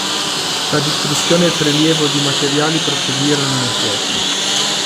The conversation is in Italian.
La distruzione e il prelievo di materiali proseguirono nei secoli.